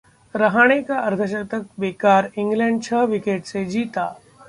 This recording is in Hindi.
रहाणे का अर्धशतक बेकार, इंग्लैंड छह विकेट से जीता